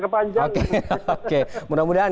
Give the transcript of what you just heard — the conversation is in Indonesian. kepanjang oke mudah mudahan